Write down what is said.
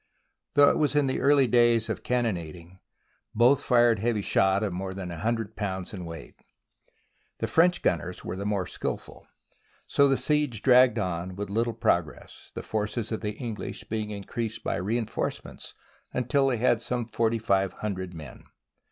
Though it was in the early days of cannonading, both fired heavy shot of more than a hundred pounds in weight, but the French gunners were the more skilful. So the siege dragged on with little progress, the forces of the English being increased by reinforcements until they had some forty five hundred men.